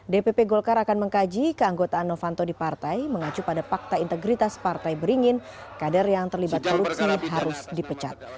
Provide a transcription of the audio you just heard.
dpp golkar akan mengkaji keanggotaan novanto di partai mengacu pada fakta integritas partai beringin kader yang terlibat korupsi harus dipecat